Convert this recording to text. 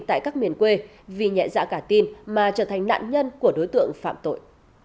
tại các miền quê vì nhẹ dạ cả tin mà trở thành nạn nhân của đối tượng phạm tội